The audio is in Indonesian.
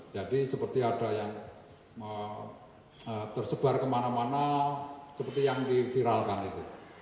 jadi seperti ada yang tersebar kemana mana seperti yang diviralkan itu